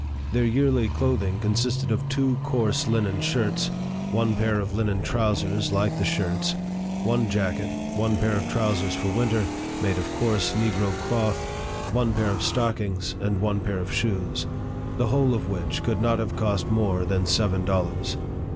Their yearly clothing consisted of two coarse linen shirts, one pair of linen trousers, like the shirts, one jacket, one pair of trousers for winter, made of coarse negro cloth, one pair of stockings, and one pair of shoes ; the whole of which could not have cost more than seven dollars.